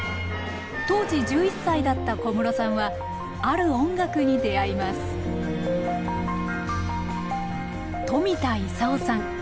当時１１歳だった小室さんはある音楽に出会います冨田勲さん。